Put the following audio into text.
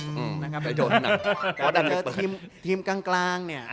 แต่ถ้าเจอทีมกลางเนี่ย